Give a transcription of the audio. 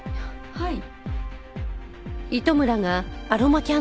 はい。